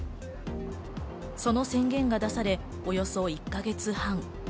その宣言が出され、およそ１か月半。